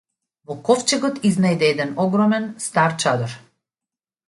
Во ковчегот изнајде еден огромен стар чадор.